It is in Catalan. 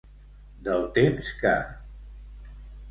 Del temps que.